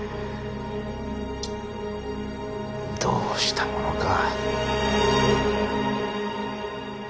どうしたものか。